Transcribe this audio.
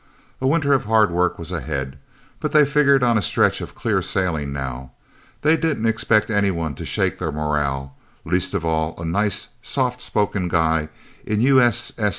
A winter of hard work was ahead, but they figured on a stretch of clear sailing, now. They didn't expect anyone to shake their morale, least of all a nice, soft spoken guy in U.